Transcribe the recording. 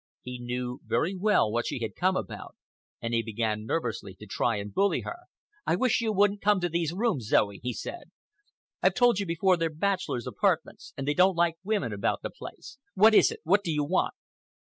He knew very well what she had come about, and he began nervously to try and bully her. "I wish you wouldn't come to these rooms, Zoe," he said. "I've told you before they're bachelors' apartments, and they don't like women about the place. What is it? What do you want?"